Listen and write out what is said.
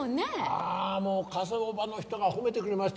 ああもう火葬場の人が褒めてくれました。